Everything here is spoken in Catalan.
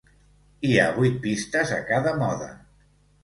Hi ha vuit pistes a cada mode.